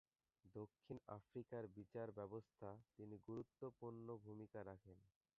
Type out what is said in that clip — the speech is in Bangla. দক্ষিণ আফ্রিকার বিচারব্যবস্থায় তিনি গুরুত্বপূর্ণ ভূমিকা রাখেন।